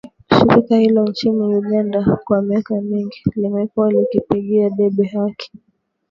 Shirika hilo nchini Uganda kwa miaka mingi limekuwa likipigia debe haki za wapenzi wa jinsia moja nchini Uganda